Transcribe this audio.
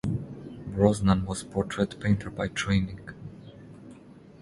Brosnan was portrait painter by training.